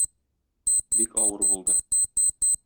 Бик авыр булды.